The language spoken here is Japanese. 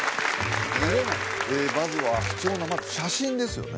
まずは貴重な写真ですよね